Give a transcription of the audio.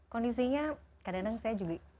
kondisinya kadang kadang saya juga